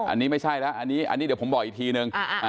อันนี้ไม่ใช่แล้วอันนี้เดี๋ยวผมบอกอีกทีนึง